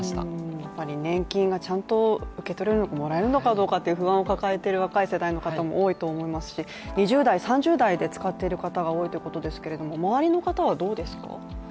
やっぱり年金がちゃんと受け取れるのかもらえるのかという不安を抱えている若い方も多いと思いますし２０代、３０代で使っている人が多いということですけれども、周りの方はどうですか。